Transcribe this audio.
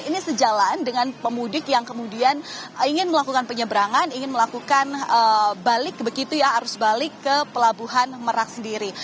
ini sejalan dengan pemudik yang kemudian ingin melakukan penyeberangan ingin melakukan balik begitu ya arus balik ke pelabuhan merak sendiri